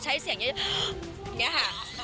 ใช้เสียงอย่างนี้ค่ะ